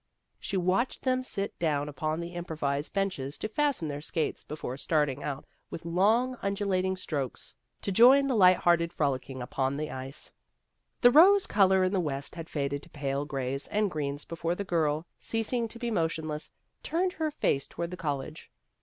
" She watched them sit down upon the improvised benches to fasten their skates before start ing out with long undulating strokes to 288 Vassar Studies join the light hearted frolicking upon the ice. The rose color in the west had faded to pale grays and greens before the girl, ceasing to be motionless, turned her face toward the college.